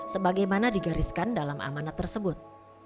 sebagaimana digariskan dalam amanat tersebut